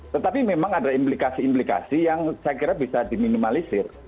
tetapi memang ada implikasi implikasi yang saya kira bisa diminimalisir